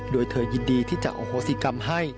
โดยเธอยินดีที่จะโอโหสิกรรมให้